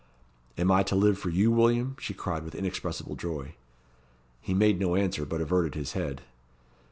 "Am I to live for you, William?" she cried, with inexpressible joy. He made no answer, but averted his head.